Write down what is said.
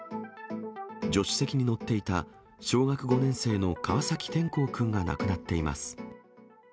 助手席に乗っていた小学５年生の川崎辿皇君が亡くなっています。